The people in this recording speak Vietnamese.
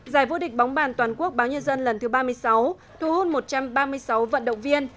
giải vô địch bóng bàn toàn quốc báo nhân dân lần thứ ba mươi sáu thu hút một trăm ba mươi sáu vận động viên